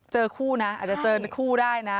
เจอคู่นะอาจจะเจอเป็นคู่ได้นะ